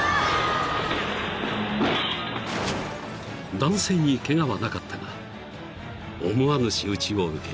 ［男性にケガはなかったが思わぬ仕打ちを受けた］